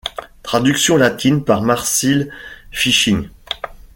Traduction latine par Marsile Ficin.